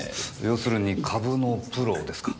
要するに株のプロですか？